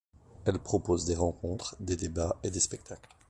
Elle propose des rencontres, des débats et des spectacles.